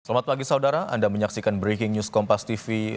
selamat pagi saudara anda menyaksikan breaking news kompas tv